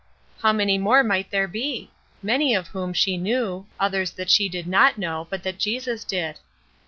How many more might there be? Many of whom she knew, others that she did not know, but that Jesus did.